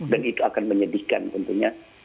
dan itu akan menyedihkan tentunya